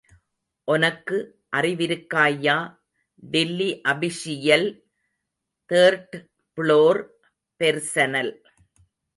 ஒனக்கு அறிவிருக்காய்யா... Delhi official... third floor personal.